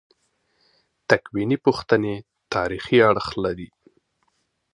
تکویني پوښتنې تاریخي اړخ لري.